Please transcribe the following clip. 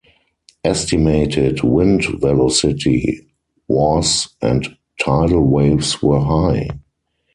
Estimated wind velocity was and tidal waves were high.